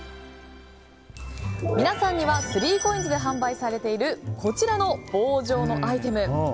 皆さんには３ＣＯＩＮＳで販売されているこちらの棒状のアイテム。